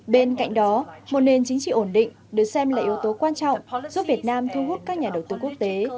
bên cạnh đó một nền chính trị ổn định được xem là yếu tố quan trọng giúp việt nam thu hút các nhà đầu tư quốc tế